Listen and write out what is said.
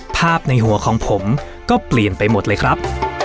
ภาพในหัวของผมก็เปลี่ยนไปหมดเลยครับ